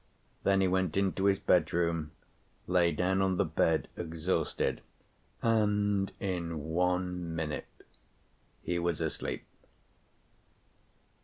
Then he went into his bedroom, lay down on the bed, exhausted, and in one minute he was asleep.